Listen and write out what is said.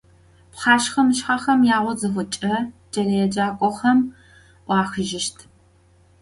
Pxheşshe - mışshexem yağo zıxhuç'e, ç'eleêcak'oxem 'uaxıjışt.